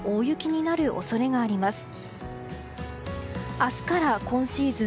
明日から今シーズン